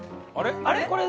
あれ？